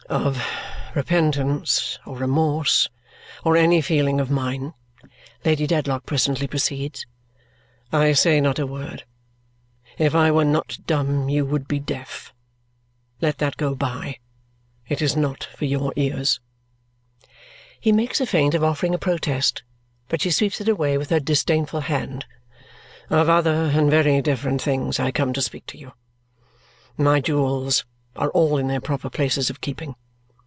"Of repentance or remorse or any feeling of mine," Lady Dedlock presently proceeds, "I say not a word. If I were not dumb, you would be deaf. Let that go by. It is not for your ears." He makes a feint of offering a protest, but she sweeps it away with her disdainful hand. "Of other and very different things I come to speak to you. My jewels are all in their proper places of keeping.